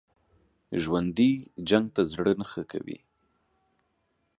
ژوندي جنګ ته زړه نه ښه کوي